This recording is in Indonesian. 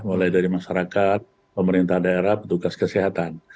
mulai dari masyarakat pemerintah daerah petugas kesehatan